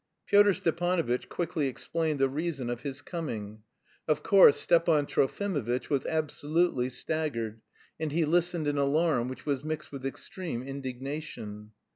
Pyotr Stepanovitch quickly explained the reason of his coming. Of course, Stepan Trofimovitch was absolutely staggered, and he listened in alarm, which was mixed with extreme indignation.